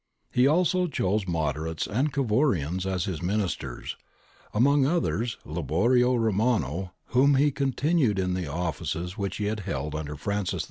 He also chose Moderates and Cavourians as his Ministers, among others, Liborio Romano, whom he continued in the offices which he had held under Francis II.